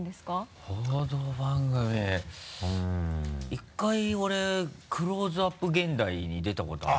１回俺「クローズアップ現代＋」に出たことある。